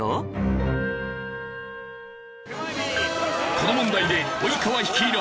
この問題で及川率いる